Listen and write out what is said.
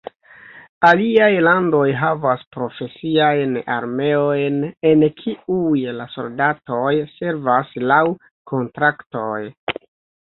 Aliaj landoj havas profesiajn armeojn en kiuj la soldatoj servas laŭ kontraktoj.